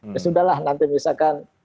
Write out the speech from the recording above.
ya sudah lah nanti misalkan